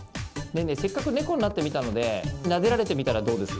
せっかく猫になってみたのでなでられてみたらどうです？